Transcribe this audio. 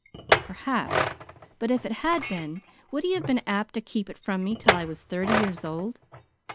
"Perhaps. But if it had been, would he have been apt to keep it from me till I was thirty years old?